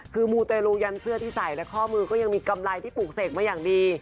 คือมูเตรลูยันเสื้อที่ใส่และข้อมือก็ยังมีกำไรที่ปลูกเสกมาอย่างดี